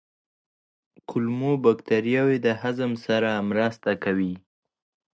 کولمو بکتریاوې د هضم سره مرسته کوي.